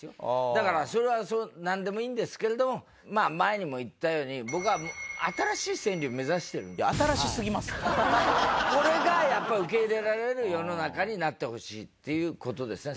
だからそれはなんでもいいんですけれども前にも言ったようにこれがやっぱ受け入れられる世の中になってほしいっていう事ですよね